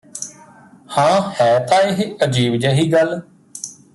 ਹਾਂ ਹੈ ਤਾਂ ਇਹ ਅਜੀਬ ਜਿਹੀ ਗੱਲ